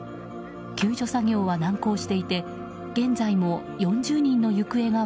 救助作業は難航していて現在も４０人の行方が